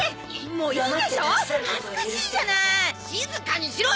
もういいでしょ恥ずかしいじゃない静かにしろよ！